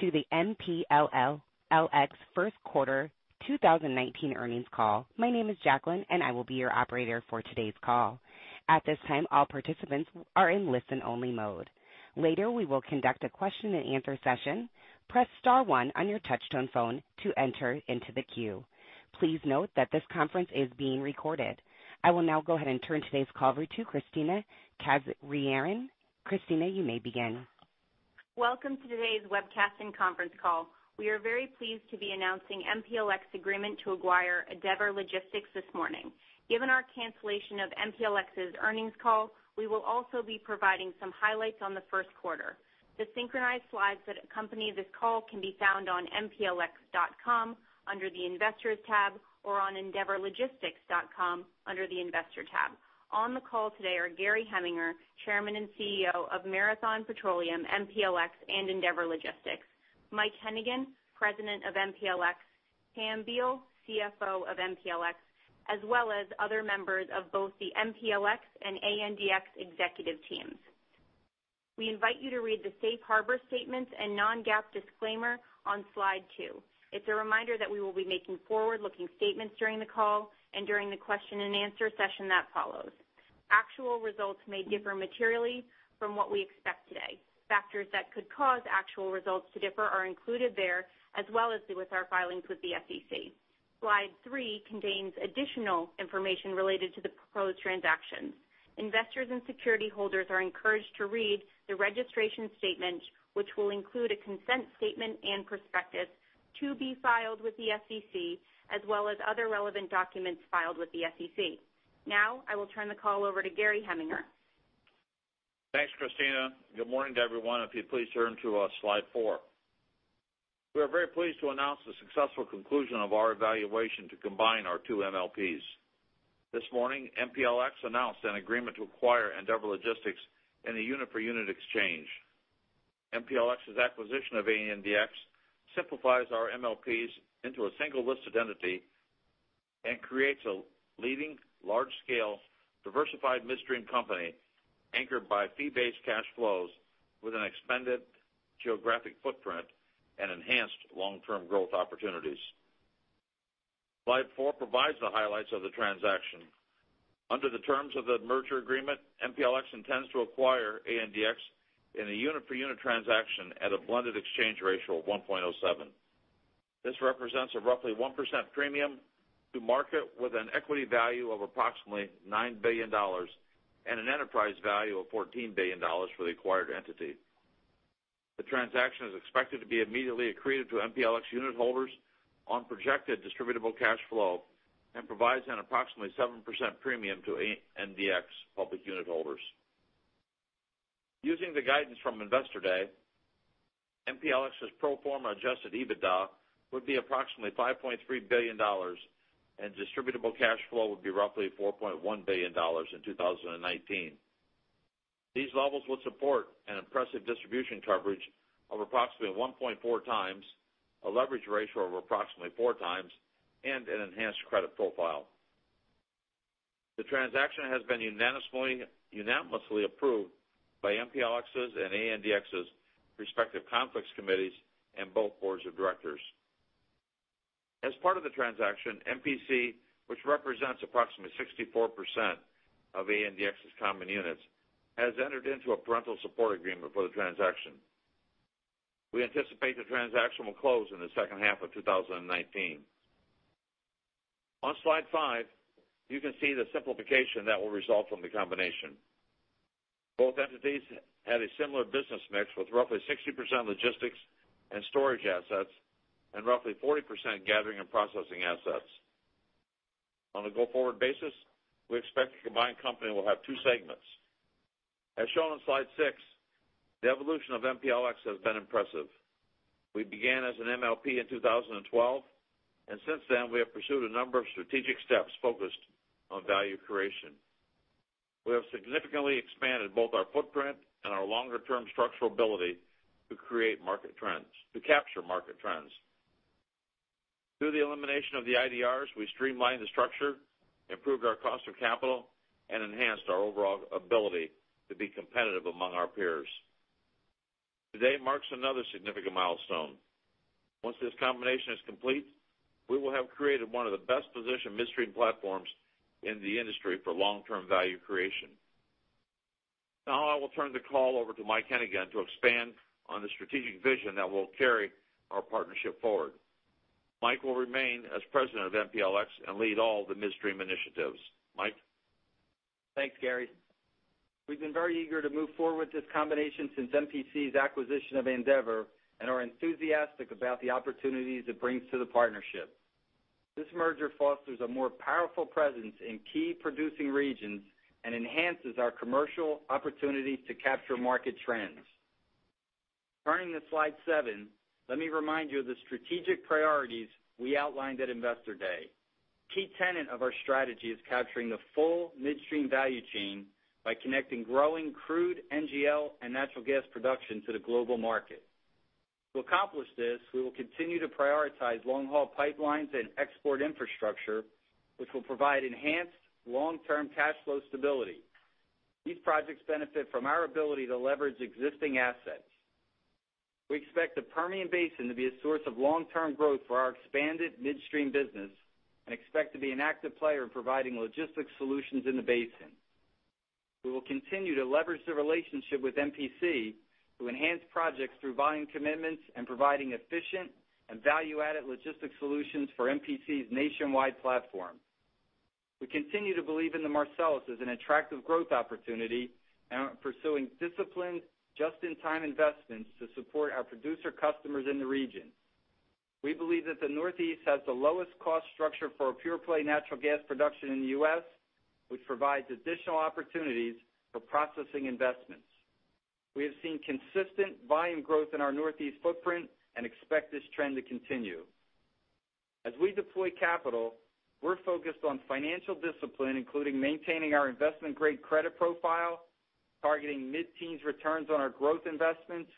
To the MPLX first quarter 2019 earnings call. My name is Jacqueline, and I will be your operator for today's call. At this time, all participants are in listen-only mode. Later, we will conduct a question and answer session. Press star one on your touchtone phone to enter into the queue. Please note that this conference is being recorded. I will now go ahead and turn today's call over to Kristina Kazarian. Kristina, you may begin. Welcome to today's webcast and conference call. We are very pleased to be announcing MPLX agreement to acquire Andeavor Logistics this morning. Given our cancellation of MPLX's earnings call, we will also be providing some highlights on the first quarter. The synchronized slides that accompany this call can be found on mplx.com under the Investors tab or on andeavorlogistics.com under the Investor tab. On the call today are Gary Heminger, Chairman and CEO of Marathon Petroleum, MPLX, and Andeavor Logistics. Mike Hennigan, President of MPLX, Pam Beall, CFO of MPLX, as well as other members of both the MPLX and ANDX executive teams. We invite you to read the safe harbor statements and non-GAAP disclaimer on slide two. It's a reminder that we will be making forward-looking statements during the call and during the question and answer session that follows. Actual results may differ materially from what we expect today. Factors that could cause actual results to differ are included there, as well as with our filings with the SEC. Slide three contains additional information related to the proposed transaction. Investors and security holders are encouraged to read the registration statement, which will include a consent statement and prospectus to be filed with the SEC, as well as other relevant documents filed with the SEC. I will turn the call over to Gary Heminger. Thanks, Christina. Good morning to everyone. If you'd please turn to slide four. We are very pleased to announce the successful conclusion of our evaluation to combine our two MLPs. This morning, MPLX announced an agreement to acquire Andeavor Logistics in a unit-for-unit exchange. MPLX's acquisition of ANDX simplifies our MLPs into a single listed entity and creates a leading, large-scale, diversified midstream company anchored by fee-based cash flows with an expanded geographic footprint and enhanced long-term growth opportunities. Slide four provides the highlights of the transaction. Under the terms of the merger agreement, MPLX intends to acquire ANDX in a unit-per-unit transaction at a blended exchange ratio of 1.07. This represents a roughly 1% premium to market with an equity value of approximately $9 billion and an enterprise value of $14 billion for the acquired entity. The transaction is expected to be immediately accretive to MPLX unitholders on projected distributable cash flow and provides an approximately 7% premium to ANDX public unitholders. Using the guidance from Investor Day, MPLX's pro forma adjusted EBITDA would be approximately $5.3 billion, and distributable cash flow would be roughly $4.1 billion in 2019. These levels would support an impressive distribution coverage of approximately 1.4 times, a leverage ratio of approximately 4 times, and an enhanced credit profile. The transaction has been unanimously approved by MPLX's and ANDX's respective conflicts committees and both boards of directors. As part of the transaction, MPC, which represents approximately 64% of ANDX's common units, has entered into a parental support agreement for the transaction. We anticipate the transaction will close in the second half of 2019. On slide five, you can see the simplification that will result from the combination. Both entities had a similar business mix, with roughly 60% logistics and storage assets and roughly 40% gathering and processing assets. On a go-forward basis, we expect the combined company will have two segments. As shown on slide six, the evolution of MPLX has been impressive. We began as an MLP in 2012, and since then, we have pursued a number of strategic steps focused on value creation. We have significantly expanded both our footprint and our longer-term structural ability to capture market trends. Through the elimination of the IDRs, we streamlined the structure, improved our cost of capital, and enhanced our overall ability to be competitive among our peers. Today marks another significant milestone. Once this combination is complete, we will have created one of the best-positioned midstream platforms in the industry for long-term value creation. I will turn the call over to Mike Hennigan to expand on the strategic vision that will carry our partnership forward. Mike will remain as President of MPLX and lead all the midstream initiatives. Mike? Thanks, Gary. We've been very eager to move forward with this combination since MPC's acquisition of Andeavor and are enthusiastic about the opportunities it brings to the partnership. This merger fosters a more powerful presence in key producing regions and enhances our commercial opportunity to capture market trends. Turning to slide seven, let me remind you of the strategic priorities we outlined at Investor Day. Key tenet of our strategy is capturing the full midstream value chain by connecting growing crude, NGL, and natural gas production to the global market. To accomplish this, we will continue to prioritize long-haul pipelines and export infrastructure, which will provide enhanced long-term cash flow stability. These projects benefit from our ability to leverage existing assets. We expect the Permian Basin to be a source of long-term growth for our expanded midstream business, and expect to be an active player in providing logistics solutions in the basin. We will continue to leverage the relationship with MPC to enhance projects through volume commitments and providing efficient and value-added logistics solutions for MPC's nationwide platform. We continue to believe in the Marcellus as an attractive growth opportunity and are pursuing disciplined, just-in-time investments to support our producer customers in the region. We believe that the Northeast has the lowest cost structure for pure-play natural gas production in the U.S., which provides additional opportunities for processing investments. We have seen consistent volume growth in our Northeast footprint and expect this trend to continue. As we deploy capital, we're focused on financial discipline, including maintaining our investment-grade credit profile, targeting mid-teens returns on our growth investments,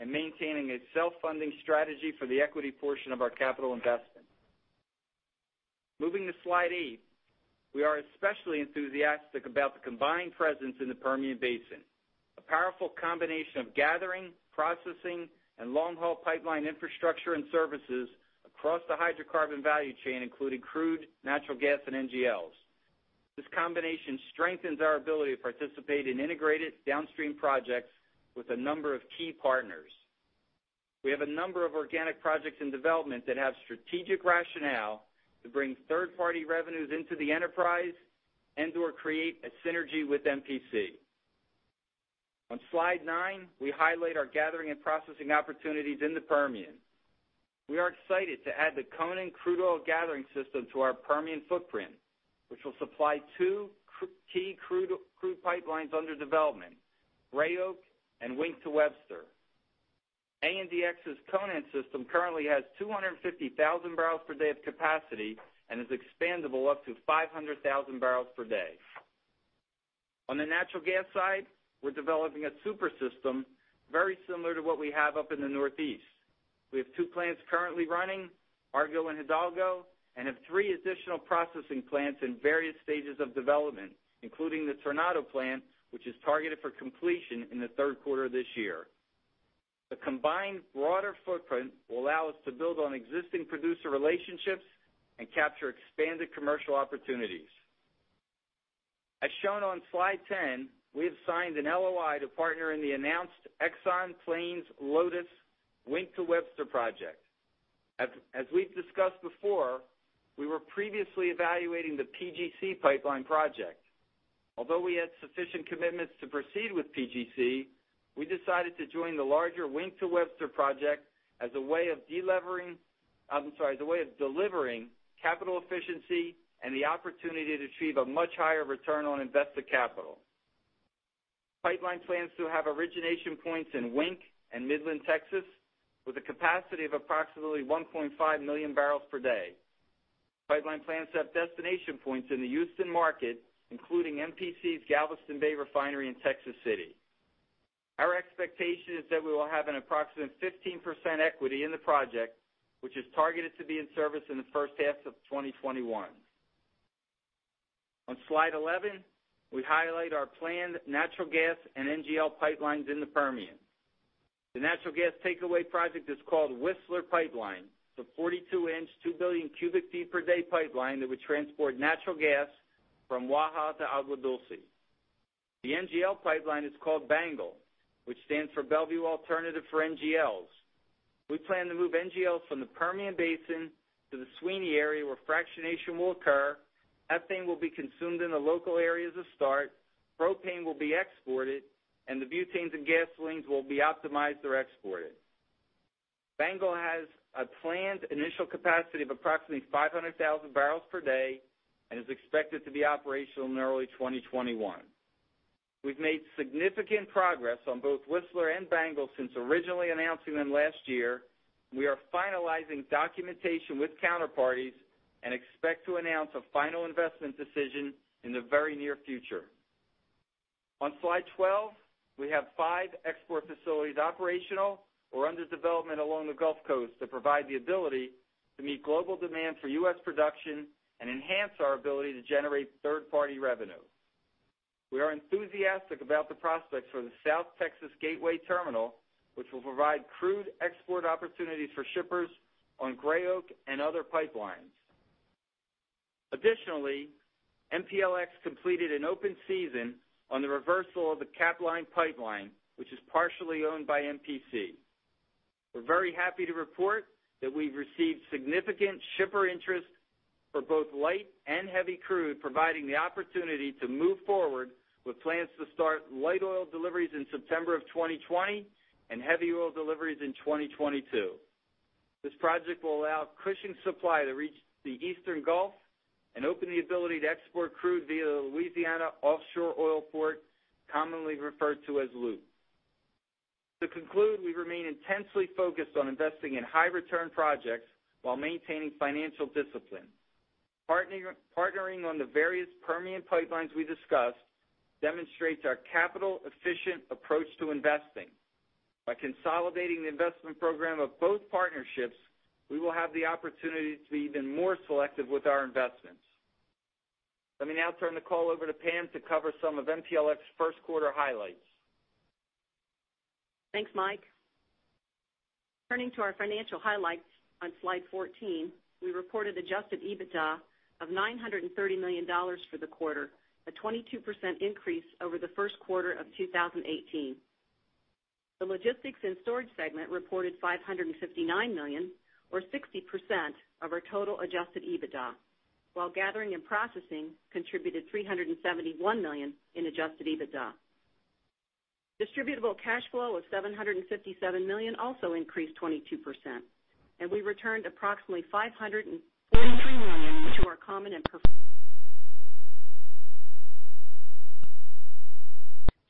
and maintaining a self-funding strategy for the equity portion of our capital investment. Moving to slide eight. We are especially enthusiastic about the combined presence in the Permian Basin. A powerful combination of gathering, processing, and long-haul pipeline infrastructure and services across the hydrocarbon value chain, including crude, natural gas, and NGLs. This combination strengthens our ability to participate in integrated downstream projects with a number of key partners. We have a number of organic projects in development that have strategic rationale to bring third-party revenues into the enterprise and/or create a synergy with MPC. On slide nine, we highlight our gathering and processing opportunities in the Permian. We are excited to add the Conan crude oil gathering system to our Permian footprint, which will supply two key crude pipelines under development, Gray Oak and Wink to Webster. ANDX's Conan system currently has 250,000 barrels per day of capacity and is expandable up to 500,000 barrels per day. On the natural gas side, we're developing a super system very similar to what we have up in the Northeast. We have two plants currently running, Argo and Hidalgo, and have three additional processing plants in various stages of development, including the Tornado plant, which is targeted for completion in the third quarter of this year. The combined broader footprint will allow us to build on existing producer relationships and capture expanded commercial opportunities. As shown on slide 10, we have signed an LOI to partner in the announced Exxon Plains Lotus Wink to Webster project. As we've discussed before, we were previously evaluating the PGC Pipeline project. Although we had sufficient commitments to proceed with PGC, we decided to join the larger Wink to Webster project as a way of delivering capital efficiency and the opportunity to achieve a much higher return on invested capital. Pipeline plans to have origination points in Wink and Midland, Texas, with a capacity of approximately 1.5 million barrels per day. Pipeline plans to have destination points in the Houston market, including MPC's Galveston Bay Refinery in Texas City. Our expectation is that we will have an approximate 15% equity in the project, which is targeted to be in service in the first half of 2021. On slide 11, we highlight our planned natural gas and NGL pipelines in the Permian. The natural gas takeaway project is called Whistler Pipeline. It's a 42-inch, 2 billion cubic feet per day pipeline that would transport natural gas from Waha to Agua Dulce. The NGL pipeline is called BANGL, which stands for Bellevue Alternative for NGLs. We plan to move NGLs from the Permian Basin to the Sweeny area, where fractionation will occur. Ethane will be consumed in the local areas of start, propane will be exported, and the butanes and gasolines will be optimized or exported. BANGL has a planned initial capacity of approximately 500,000 barrels per day and is expected to be operational in early 2021. We've made significant progress on both Whistler and BANGL since originally announcing them last year. We are finalizing documentation with counterparties and expect to announce a final investment decision in the very near future. On slide 12, we have five export facilities operational or under development along the Gulf Coast that provide the ability to meet global demand for U.S. production and enhance our ability to generate third-party revenue. We are enthusiastic about the prospects for the South Texas Gateway terminal, which will provide crude export opportunities for shippers on Gray Oak and other pipelines. Additionally, MPLX completed an open season on the reversal of the Capline pipeline, which is partially owned by MPC. We're very happy to report that we've received significant shipper interest for both light and heavy crude, providing the opportunity to move forward with plans to start light oil deliveries in September of 2020 and heavy oil deliveries in 2022. This project will allow Cushing supply to reach the eastern Gulf and open the ability to export crude via the Louisiana Offshore Oil Port, commonly referred to as LOOP. To conclude, we remain intensely focused on investing in high return projects while maintaining financial discipline. Partnering on the various Permian pipelines we discussed demonstrates our capital-efficient approach to investing. Consolidating the investment program of both partnerships, we will have the opportunity to be even more selective with our investments. Let me now turn the call over to Pam to cover some of MPLX first quarter highlights. Thanks, Mike. Turning to our financial highlights on slide 14, we reported adjusted EBITDA of $930 million for the quarter, a 22% increase over the first quarter of 2018. The logistics and storage segment reported $559 million, or 60% of our total adjusted EBITDA, while gathering and processing contributed $371 million in adjusted EBITDA. Distributable cash flow of $757 million also increased 22%, and we returned approximately $543 million to our common and preferred.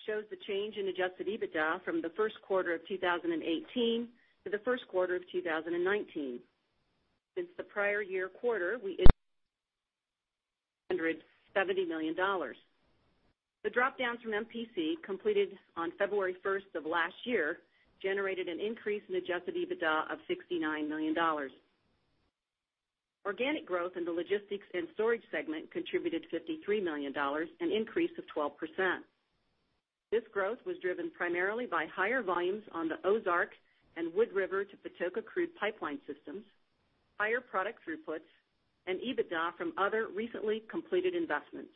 Shows the change in adjusted EBITDA from the first quarter of 2018 to the first quarter of 2019. Since the prior year quarter, $170 million. The drop-downs from MPC completed on February 1st of last year generated an increase in adjusted EBITDA of $69 million. Organic growth in the logistics and storage segment contributed $53 million, an increase of 12%. This growth was driven primarily by higher volumes on the Ozark and Wood River to Patoka crude pipeline systems, higher product throughputs, and EBITDA from other recently completed investments.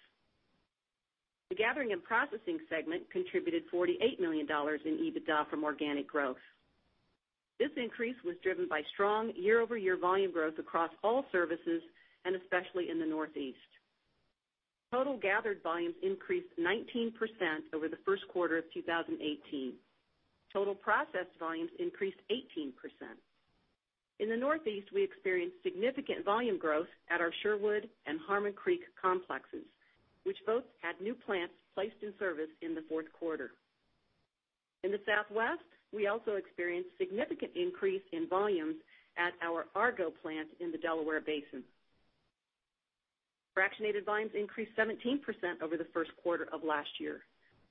The gathering and processing segment contributed $48 million in EBITDA from organic growth. This increase was driven by strong year-over-year volume growth across all services and especially in the Northeast. Total gathered volumes increased 19% over the first quarter of 2018. Total processed volumes increased 18%. In the Northeast, we experienced significant volume growth at our Sherwood and Harmon Creek complexes, which both had new plants placed in service in the fourth quarter. In the Southwest, we also experienced significant increase in volumes at our Argo plant in the Delaware Basin. Fractionated volumes increased 17% over the first quarter of last year,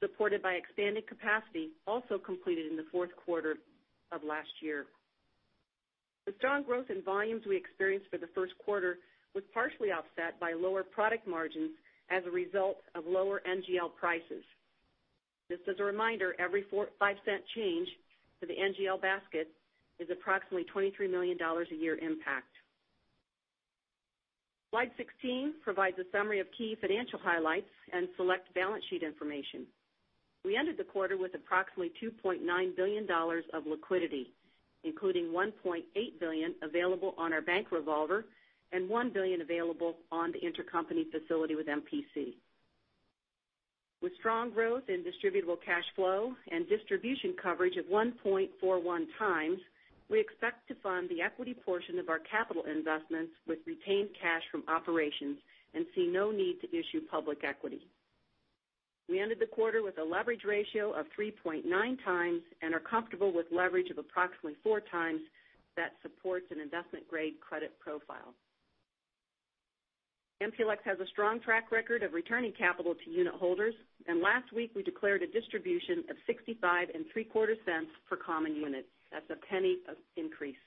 supported by expanded capacity, also completed in the fourth quarter of last year. The strong growth in volumes we experienced for the first quarter was partially offset by lower product margins as a result of lower NGL prices. Just as a reminder, every $0.05 change to the NGL basket is approximately $23 million a year impact. Slide 16 provides a summary of key financial highlights and select balance sheet information. We ended the quarter with approximately $2.9 billion of liquidity, including $1.8 billion available on our bank revolver and $1 billion available on the intercompany facility with MPC. With strong growth in distributable cash flow and distribution coverage of 1.41 times, we expect to fund the equity portion of our capital investments with retained cash from operations and see no need to issue public equity. We ended the quarter with a leverage ratio of 3.9 times and are comfortable with leverage of approximately 4 times that supports an investment-grade credit profile. MPLX has a strong track record of returning capital to unit holders, last week we declared a distribution of 65 and three quarter cents for common units. That's $0.01 of increase.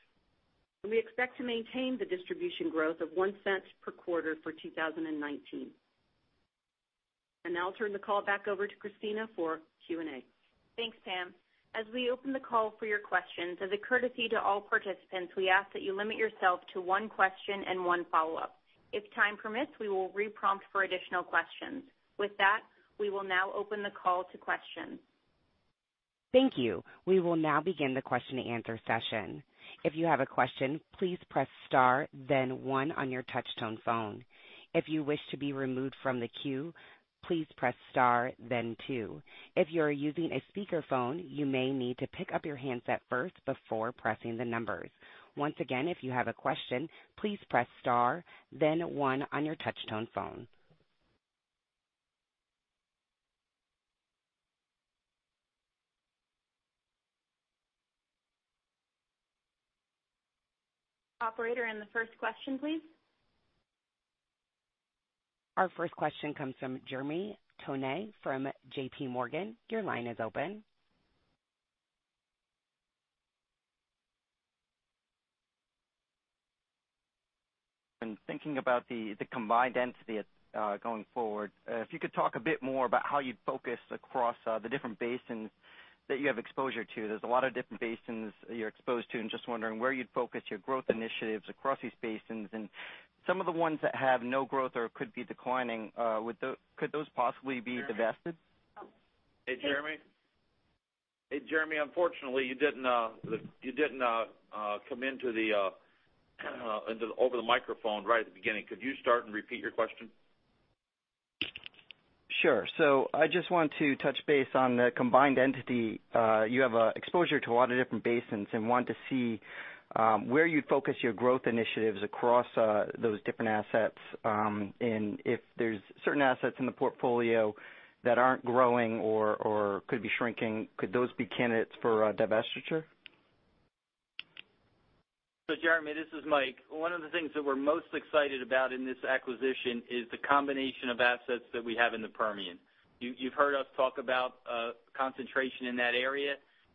We expect to maintain the distribution growth of $0.01 per quarter for 2019. Now I'll turn the call back over to Christina for Q&A. Thanks, Pam. As we open the call for your questions, as a courtesy to all participants, we ask that you limit yourself to one question and one follow-up. If time permits, we will re-prompt for additional questions. With that, we will now open the call to questions. Thank you. We will now begin the question and answer session. If you have a question, please press star then one on your touch-tone phone. If you wish to be removed from the queue, please press star then two. If you are using a speakerphone, you may need to pick up your handset first before pressing the numbers. Once again, if you have a question, please press star then one on your touch-tone phone. Operator, the first question, please. Our first question comes from Jeremy Tonet from JPMorgan. Your line is open. I'm thinking about the combined entity going forward. If you could talk a bit more about how you'd focus across the different basins that you have exposure to. There's a lot of different basins you're exposed to, and just wondering where you'd focus your growth initiatives across these basins, and some of the ones that have no growth or could be declining, could those possibly be divested? Hey, Jeremy? Hey, Jeremy, unfortunately, you didn't come over the microphone right at the beginning. Could you start and repeat your question? Sure. I just want to touch base on the combined entity. You have exposure to a lot of different basins and want to see where you'd focus your growth initiatives across those different assets. If there's certain assets in the portfolio that aren't growing or could be shrinking, could those be candidates for divestiture? Jeremy, this is Mike. One of the things that we're most excited about in this acquisition is the combination of assets that we have in the Permian. You've heard us talk about concentration in that area,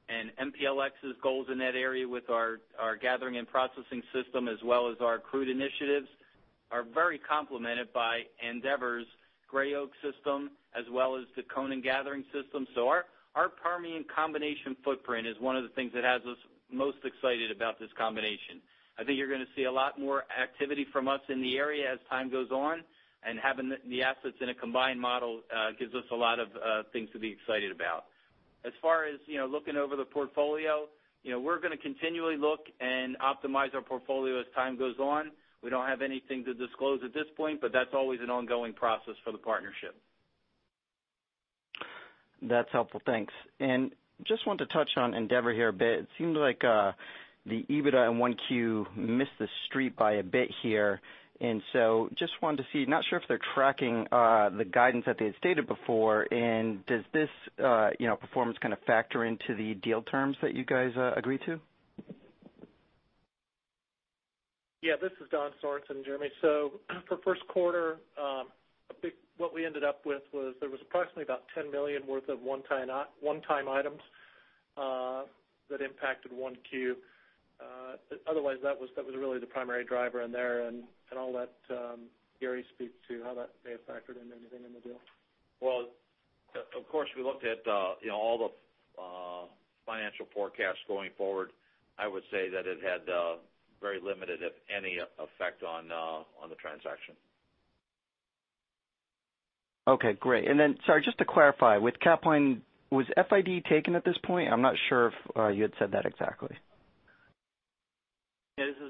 and MPLX's goals in that area with our gathering and processing system as well as our crude initiatives are very complemented by Andeavor's Gray Oak system, as well as the Conan Gathering system. Our Permian combination footprint is one of the things that has us most excited about this combination. I think you're going to see a lot more activity from us in the area as time goes on, and having the assets in a combined model gives us a lot of things to be excited about. As far as looking over the portfolio, we're going to continually look and optimize our portfolio as time goes on. We don't have anything to disclose at this point, but that's always an ongoing process for the partnership. That's helpful. Thanks. Just wanted to touch on Andeavor here a bit. It seemed like the EBITDA in 1Q missed the Street by a bit here, just wanted to see, not sure if they're tracking the guidance that they had stated before, and does this performance kind of factor into the deal terms that you guys agreed to? Yeah, this is Don Sorensen, Jeremy. For first quarter, I think what we ended up with was there was approximately about $10 million worth of one-time items that impacted 1Q. Otherwise, that was really the primary driver in there, I'll let Gary speak to how that may have factored into anything in the deal. Well, of course, we looked at all the financial forecasts going forward. I would say that it had very limited, if any, effect on the transaction. Okay, great. Sorry, just to clarify, with Capline, was FID taken at this point? I'm not sure if you had said that exactly.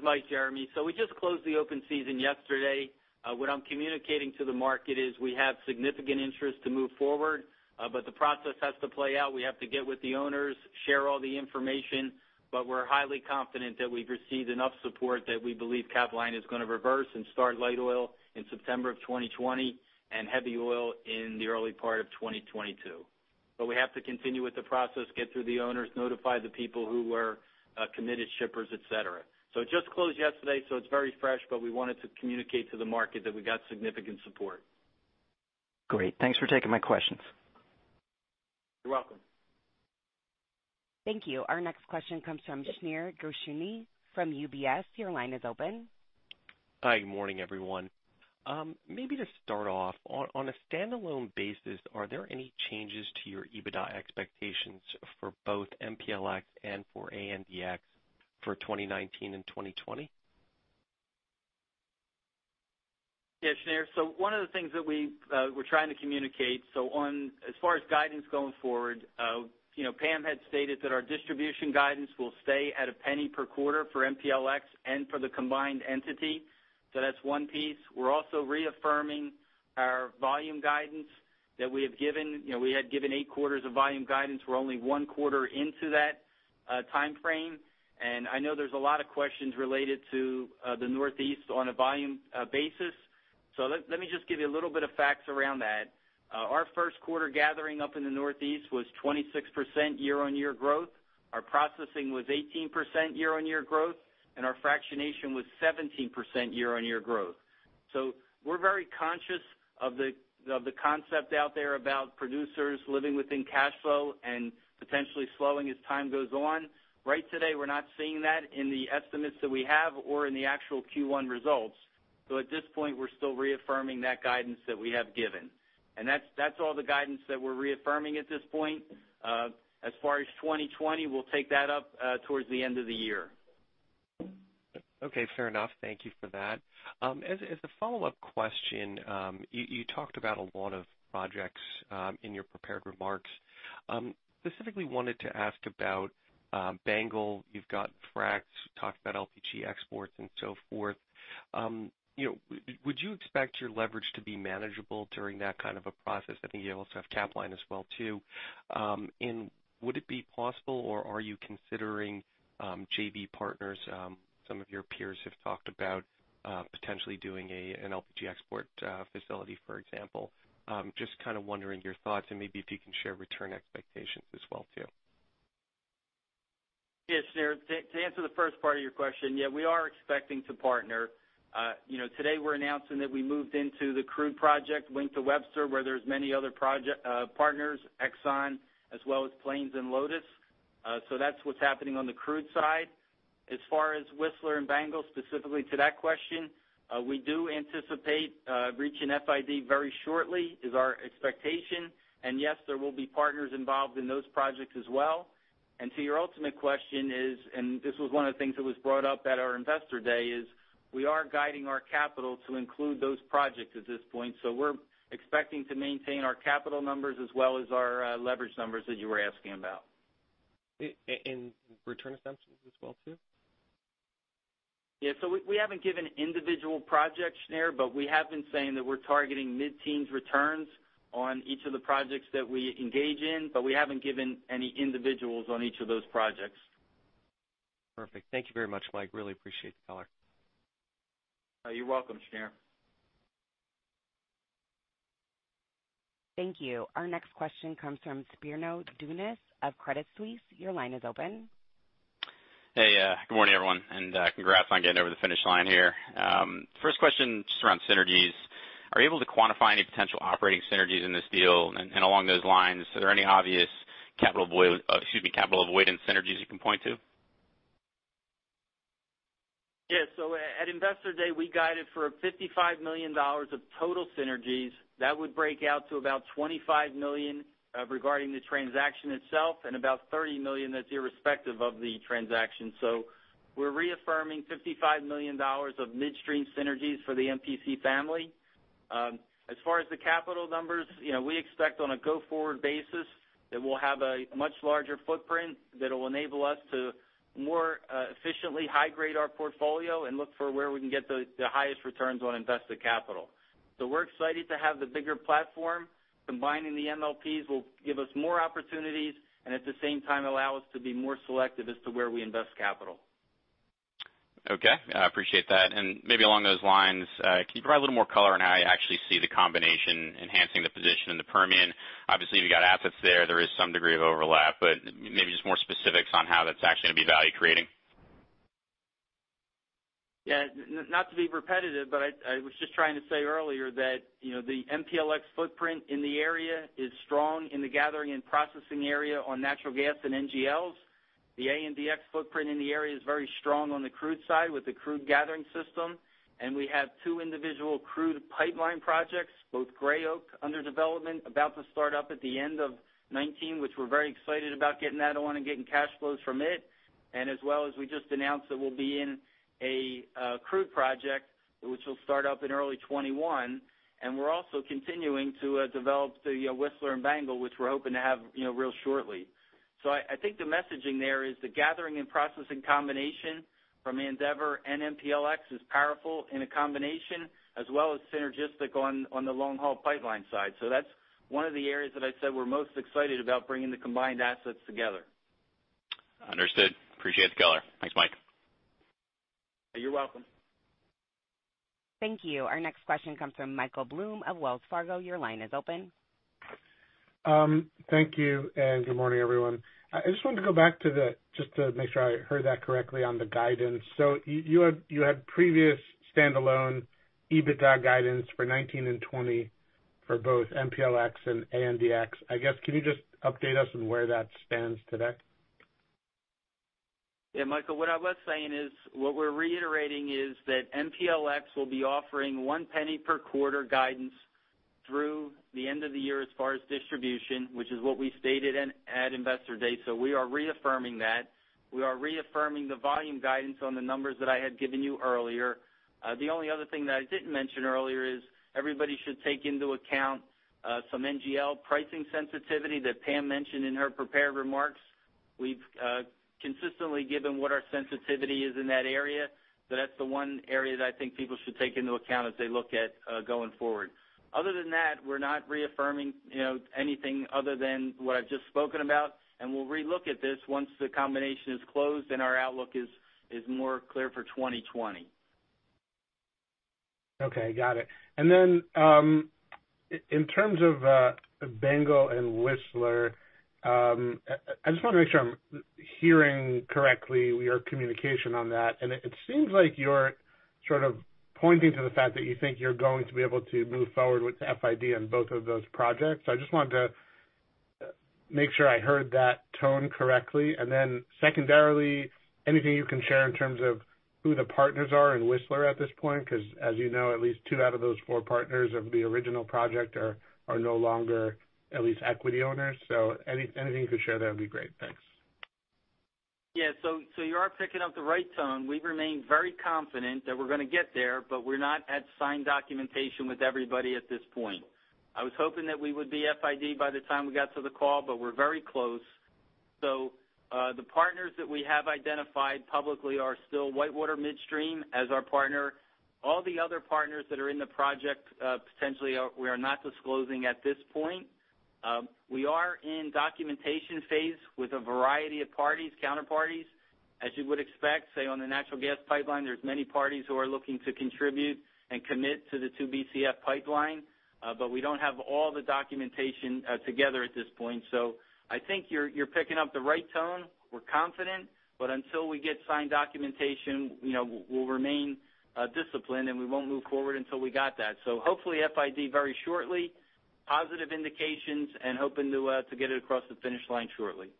Yeah, this is Mike, Jeremy. We just closed the open season yesterday. What I'm communicating to the market is we have significant interest to move forward, the process has to play out. We have to get with the owners, share all the information, we're highly confident that we've received enough support that we believe Capline is going to reverse and start light oil in September of 2020 and heavy oil in the early part of 2022. We have to continue with the process, get through the owners, notify the people who were committed shippers, et cetera. It just closed yesterday, so it's very fresh, we wanted to communicate to the market that we got significant support. Great. Thanks for taking my questions. You're welcome. Thank you. Our next question comes from Shneur Gershuni from UBS. Your line is open. Hi, good morning, everyone. Maybe to start off, on a standalone basis, are there any changes to your EBITDA expectations for both MPLX and for ANDX for 2019 and 2020? Yeah, Shneur. One of the things that we're trying to communicate, as far as guidance going forward, Pam had stated that our distribution guidance will stay at a penny per quarter for MPLX and for the combined entity. That's one piece. We're also reaffirming our volume guidance that we have given. We had given eight quarters of volume guidance. We're only one quarter into that timeframe, and I know there's a lot of questions related to the Northeast on a volume basis. Let me just give you a little bit of facts around that. Our first quarter gathering up in the Northeast was 26% year-on-year growth. Our processing was 18% year-on-year growth, and our fractionation was 17% year-on-year growth. We're very conscious of the concept out there about producers living within cash flow and potentially slowing as time goes on. Right today, we're not seeing that in the estimates that we have or in the actual Q1 results. At this point, we're still reaffirming that guidance that we have given. That's all the guidance that we're reaffirming at this point. As far as 2020, we'll take that up towards the end of the year. Okay, fair enough. Thank you for that. As a follow-up question, you talked about a lot of projects in your prepared remarks. Specifically wanted to ask about BANGL. You've got fracs, you talked about LPG exports and so forth. Would you expect your leverage to be manageable during that kind of a process? I think you also have Capline as well too. Would it be possible, or are you considering JV partners? Some of your peers have talked about potentially doing an LPG export facility, for example. Just kind of wondering your thoughts and maybe if you can share return expectations as well too. Yeah, Shneur. To answer the first part of your question, we are expecting to partner. Today we're announcing that we moved into the crude project, Wink to Webster Pipeline, where there's many other partners, Exxon, as well as Plains All American Pipeline and Lotus Midstream, LLC. That's what's happening on the crude side. As far as Whistler and BANGL, specifically to that question, we do anticipate reaching FID very shortly, is our expectation. Yes, there will be partners involved in those projects as well. To your ultimate question is, and this was one of the things that was brought up at our investor day, is we are guiding our capital to include those projects at this point. We're expecting to maintain our capital numbers as well as our leverage numbers that you were asking about. Return assumptions as well too? We haven't given individual projects, Shneur, but we have been saying that we're targeting mid-teens returns on each of the projects that we engage in, but we haven't given any individuals on each of those projects. Perfect. Thank you very much, Mike. Really appreciate the color. You're welcome, Shneur. Thank you. Our next question comes from Spiro Dounis of Credit Suisse. Your line is open. Hey, good morning, everyone. Congrats on getting over the finish line here. First question, just around synergies. Are you able to quantify any potential operating synergies in this deal? Along those lines, are there any obvious capital avoidance synergies you can point to? Yes. At Investor Day, we guided for $55 million of total synergies. That would break out to about $25 million regarding the transaction itself and about $30 million that's irrespective of the transaction. We're reaffirming $55 million of midstream synergies for the MPC family. As far as the capital numbers, we expect on a go-forward basis that we'll have a much larger footprint that will enable us to more efficiently high-grade our portfolio and look for where we can get the highest returns on invested capital. We're excited to have the bigger platform. Combining the MLPs will give us more opportunities and at the same time allow us to be more selective as to where we invest capital. Okay. I appreciate that. Maybe along those lines, can you provide a little more color on how you actually see the combination enhancing the position in the Permian? Obviously, you've got assets there. There is some degree of overlap, but maybe just more specifics on how that's actually going to be value-creating. Yeah. Not to be repetitive, I was just trying to say earlier that the MPLX footprint in the area is strong in the gathering and processing area on natural gas and NGLs. The ANDX footprint in the area is very strong on the crude side with the crude gathering system, we have two individual crude pipeline projects, both Gray Oak under development, about to start up at the end of 2019, which we're very excited about getting that one and getting cash flows from it. As well as we just announced that we'll be in a crude project, which will start up in early 2021. We're also continuing to develop the Whistler and BANGL, which we're hoping to have real shortly. I think the messaging there is the gathering and processing combination from Andeavor and MPLX is powerful in a combination, as well as synergistic on the long-haul pipeline side. That's one of the areas that I said we're most excited about bringing the combined assets together. Understood. Appreciate the color. Thanks, Mike. You're welcome. Thank you. Our next question comes from Michael Blum of Wells Fargo. Your line is open. Thank you. Good morning, everyone. I just wanted to make sure I heard that correctly on the guidance. You had previous standalone EBITDA guidance for 2019 and 2020 for both MPLX and ANDX. I guess, can you just update us on where that stands today? Michael, what I was saying is, what we're reiterating is that MPLX will be offering $0.01 per quarter guidance through the end of the year as far as distribution, which is what we stated at Investor Day. We are reaffirming that. We are reaffirming the volume guidance on the numbers that I had given you earlier. The only other thing that I didn't mention earlier is everybody should take into account some NGL pricing sensitivity that Pam mentioned in her prepared remarks. We've consistently given what our sensitivity is in that area, that's the one area that I think people should take into account as they look at going forward. Other than that, we're not reaffirming anything other than what I've just spoken about, and we'll re-look at this once the combination is closed and our outlook is more clear for 2020. Got it. In terms of BANGL and Whistler, I just want to make sure I'm hearing correctly your communication on that. It seems like you're sort of pointing to the fact that you think you're going to be able to move forward with FID on both of those projects. I just wanted to make sure I heard that tone correctly. Secondarily, anything you can share in terms of who the partners are in Whistler at this point? Because as you know, at least two out of those four partners of the original project are no longer at least equity owners. Anything you could share there would be great. Thanks. You are picking up the right tone. We remain very confident that we're going to get there, we're not at signed documentation with everybody at this point. I was hoping that we would be FID by the time we got to the call, but we're very close. The partners that we have identified publicly are still WhiteWater Midstream as our partner. All the other partners that are in the project, potentially, we are not disclosing at this point. We are in documentation phase with a variety of parties, counterparties. As you would expect, say on the natural gas pipeline, there are many parties who are looking to contribute and commit to the 2 BCF pipeline. We don't have all the documentation together at this point. I think you're picking up the right tone. We're confident, until we get signed documentation, we'll remain disciplined, we won't move forward until we got that. Hopefully FID very shortly. Positive indications and hoping to get it across the finish line shortly.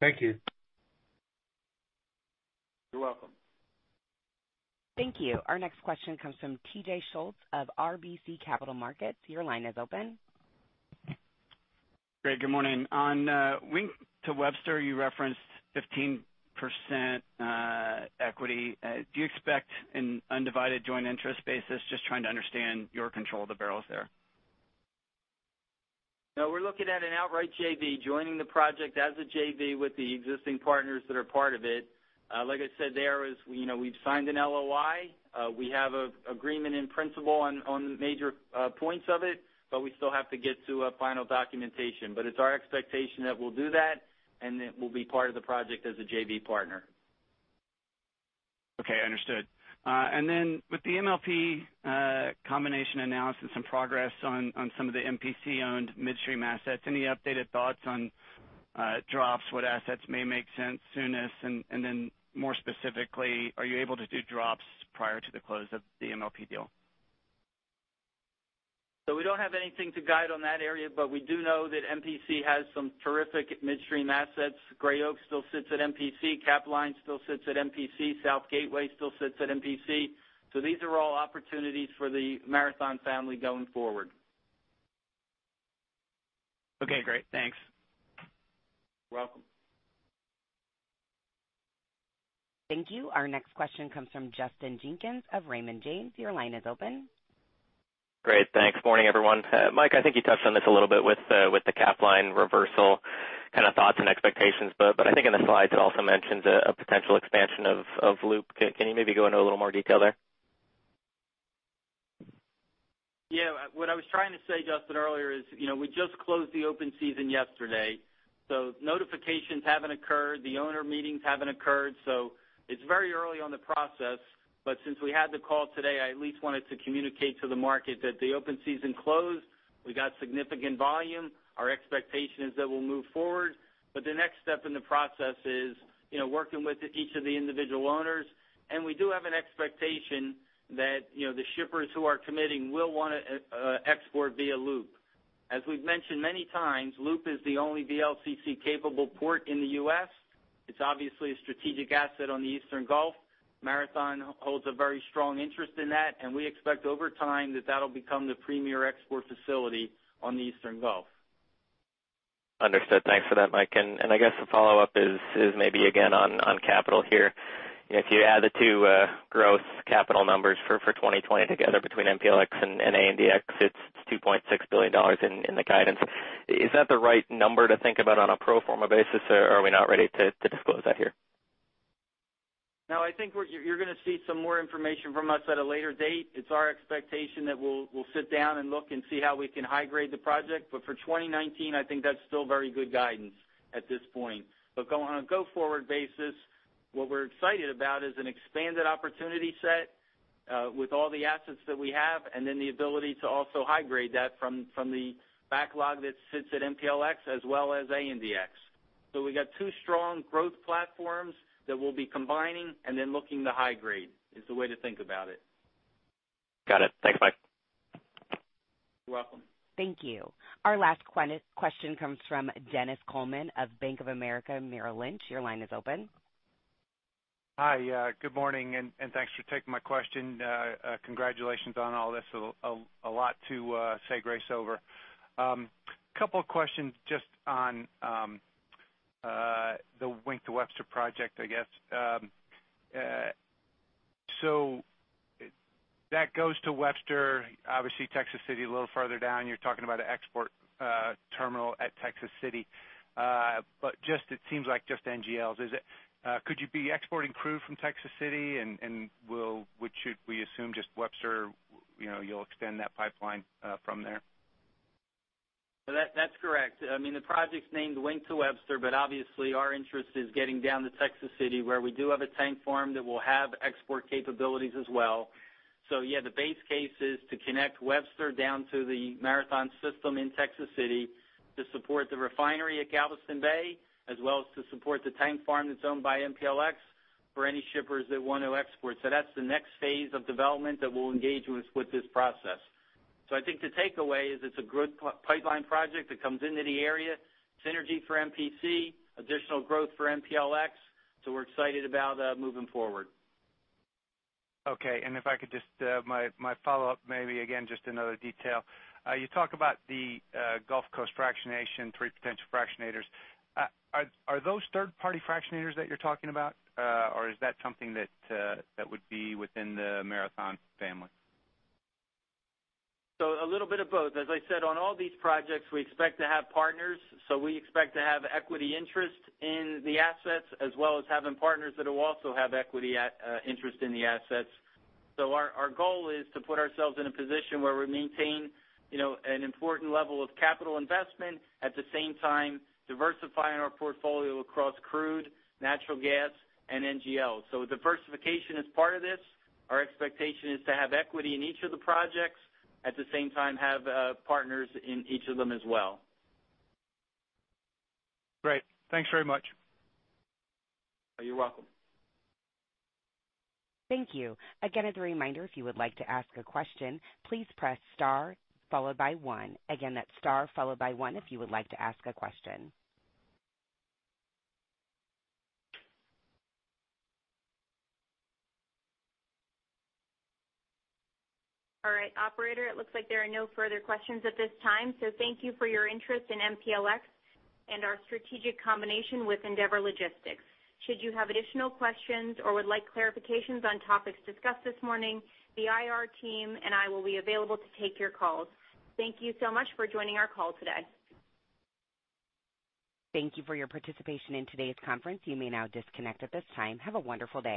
Thank you. You're welcome. Thank you. Our next question comes from T.J. Schultz of RBC Capital Markets. Your line is open. Great. Good morning. On Wink to Webster, you referenced 15% equity. Do you expect an undivided joint interest basis? Just trying to understand your control of the barrels there. No, we're looking at an outright JV, joining the project as a JV with the existing partners that are part of it. Like I said, we've signed an LOI. We have agreement in principle on major points of it, we still have to get to a final documentation. It's our expectation that we'll do that, and that we'll be part of the project as a JV partner. Okay, understood. With the MLP combination announced and some progress on some of the MPC-owned midstream assets, any updated thoughts on drops, what assets may make sense soonest, and more specifically, are you able to do drops prior to the close of the MLP deal? We don't have anything to guide on that area, we do know that MPC has some terrific midstream assets. Gray Oak still sits at MPC, Capline still sits at MPC, South Texas Gateway still sits at MPC. These are all opportunities for the Marathon family going forward. Okay, great. Thanks. You're welcome. Thank you. Our next question comes from Justin Jenkins of Raymond James. Your line is open. Great. Thanks. Morning, everyone. Mike, I think you touched on this a little bit with the Capline reversal kind of thoughts and expectations, I think in the slides it also mentions a potential expansion of Loop. Can you maybe go into a little more detail there? Yeah. What I was trying to say, Justin, earlier is, we just closed the open season yesterday, notifications haven't occurred, the owner meetings haven't occurred, it's very early on the process, since we had the call today, I at least wanted to communicate to the market that the open season closed. We got significant volume. Our expectation is that we'll move forward. The next step in the process is working with each of the individual owners, and we do have an expectation that the shippers who are committing will want to export via Loop. As we've mentioned many times, Loop is the only VLCC-capable port in the U.S. It's obviously a strategic asset on the Eastern Gulf. Marathon holds a very strong interest in that, and we expect over time that that'll become the premier export facility on the Eastern Gulf. Understood. Thanks for that, Mike. I guess the follow-up is maybe, again, on capital here. If you add the two growth capital numbers for 2020 together, between MPLX and ANDX, it's $2.6 billion in the guidance. Is that the right number to think about on a pro forma basis, or are we not ready to disclose that here? No, I think you're gonna see some more information from us at a later date. It's our expectation that we'll sit down and look and see how we can high grade the project. For 2019, I think that's still very good guidance at this point. On a go-forward basis, what we're excited about is an expanded opportunity set with all the assets that we have, the ability to also high grade that from the backlog that sits at MPLX as well as ANDX. We've got two strong growth platforms that we'll be combining and then looking to high grade, is the way to think about it. Got it. Thanks, Mike. You're welcome. Thank you. Our last question comes from Dennis Coleman of Bank of America Merrill Lynch. Your line is open. Hi. Good morning, and thanks for taking my question. Congratulations on all this. A lot to segue us over. Couple of questions just on the Wink to Webster project, I guess. That goes to Webster, obviously Texas City a little further down. You're talking about an export terminal at Texas City. It seems like just NGLs. Could you be exporting crude from Texas City, and should we assume just Webster, you'll extend that pipeline from there? That's correct. I mean, the project's named Wink to Webster, obviously, our interest is getting down to Texas City, where we do have a tank farm that will have export capabilities as well. Yeah, the base case is to connect Webster down to the Marathon system in Texas City to support the refinery at Galveston Bay, as well as to support the tank farm that's owned by MPLX for any shippers that want to export. That's the next phase of development that we'll engage with this process. I think the takeaway is it's a good pipeline project that comes into the area. Synergy for MPC, additional growth for MPLX. We're excited about moving forward. Okay. If I could just my follow-up, maybe, again, just another detail. You talk about the Gulf Coast fractionation, three potential fractionators. Are those third-party fractionators that you're talking about? Or is that something that would be within the Marathon family? A little bit of both. As I said, on all these projects, we expect to have partners. We expect to have equity interest in the assets, as well as having partners that will also have equity interest in the assets. Our goal is to put ourselves in a position where we maintain an important level of capital investment, at the same time diversifying our portfolio across crude, natural gas, and NGL. Diversification is part of this. Our expectation is to have equity in each of the projects, at the same time, have partners in each of them as well. Great. Thanks very much. You're welcome. Thank you. Again, as a reminder, if you would like to ask a question, please press star followed by one. Again, that's star followed by one if you would like to ask a question. All right. Operator, it looks like there are no further questions at this time. Thank you for your interest in MPLX and our strategic combination with Andeavor Logistics. Should you have additional questions or would like clarifications on topics discussed this morning, the IR team and I will be available to take your calls. Thank you so much for joining our call today. Thank you for your participation in today's conference. You may now disconnect at this time. Have a wonderful day.